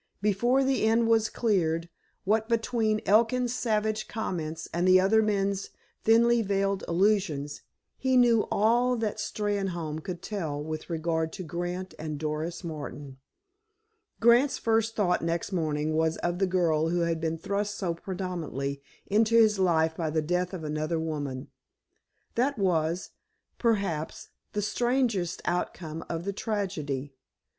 Before the inn was cleared, what between Elkin's savage comments and the other men's thinly veiled allusions, he knew all that Steynholme could tell with regard to Grant and Doris Martin. Grant's first thought next morning was of the girl who had been thrust so prominently into his life by the death of another woman. That was, perhaps, the strangest outcome of the tragedy.